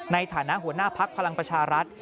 ในฐานะหัวหน้าภักดิ์พลังประชารัฐ